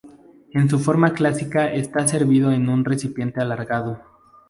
En su forma clásica está servido en un recipiente alargado.